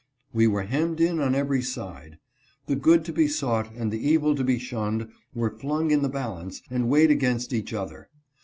We were hemmed in on every side. The good to be sought and the evil to be shunned were flung in the balance and weighed against each other.